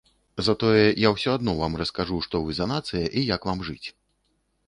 Затое я ўсё адно вам раскажу, што вы за нацыя і як вам жыць.